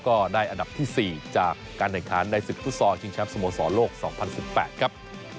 ก็ได้อันดับที่สี่จากการแห่งค้านใน๑๐ทุศจริงแชมป์สโมสรโลก๒๐๑๘ครับ